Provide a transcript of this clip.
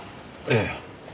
ええ。